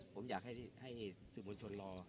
ผมอยากให้สื่อมวลชนรอ